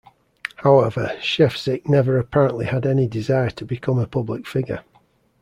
However, Scheffczyk never apparently had any desire to become a public figure.